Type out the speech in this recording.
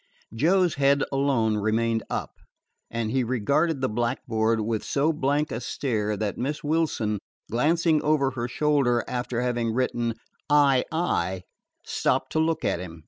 Joe's head alone remained up, and he regarded the blackboard with so blank a stare that Miss Wilson, glancing over her shoulder after having written "II," stopped to look at him.